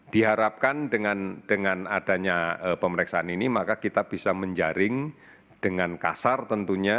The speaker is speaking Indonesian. diharapkan dengan adanya pemeriksaan ini maka kita bisa menjaring dengan kasar tentunya